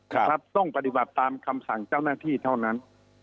นะครับต้องปฏิบัติตามคำสั่งเจ้าหน้าที่เท่านั้น